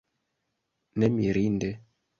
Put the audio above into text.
Ne mirinde!